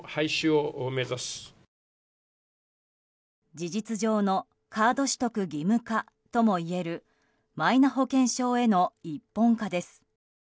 事実上のカード取得義務化ともいえるマイナ保険証への一本化です。